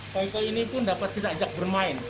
koi koi ini pun dapat kita ajak bermain